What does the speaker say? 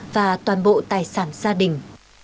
và toàn bộ tài sản gia đình